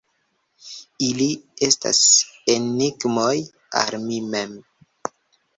Ili estas enigmoj al mi mem.